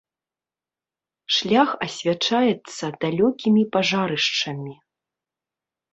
Шлях асвячаецца далёкімі пажарышчамі.